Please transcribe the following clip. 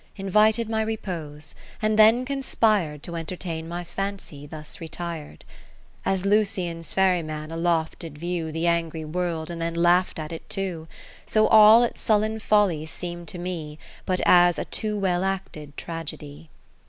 Invited my repose, and then conspir'd To entertain my Fancy thus retir'd. As Lucian's ferry man aloft did view The angry World, and then laugh'd at it too : lo So all its sullen follies seem to me But as a too well acted tragedy.